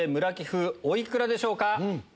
お幾らでしょうか？